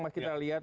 sekarang kita lihat